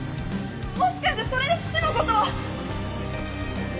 もしかしてそれで父の事を！？